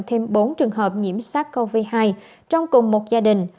thêm bốn trường hợp nhiễm sars cov hai trong cùng một gia đình